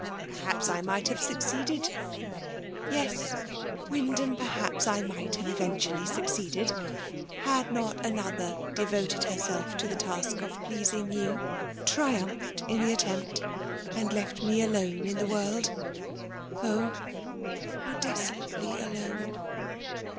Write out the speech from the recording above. Perhaps, I might have succeeded, — ^yes ! Wyndham, perhaps I might have eventually succeeded; had not another devoted herself to the task of pleasing yoo, triumphed in the attempt, and left me alone m the world ; oh ! how desolately alone